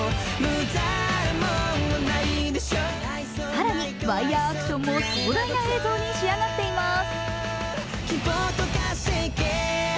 更にワイヤーアクションも壮大な映像に仕上がっています。